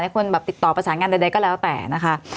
ควรแบบติดต่อประสานงานใดก็แล้วแต่นะคะ